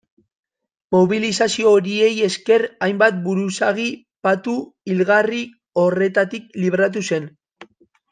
Mobilizazio horiei esker hainbat buruzagi patu hilgarri horretatik libratu zen.